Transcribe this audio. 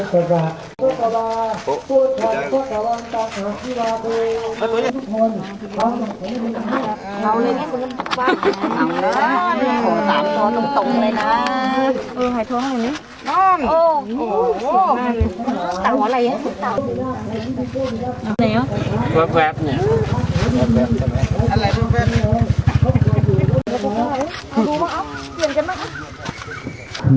นี่ก็จับนี่